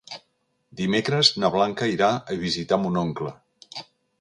Dimecres na Blanca irà a visitar mon oncle.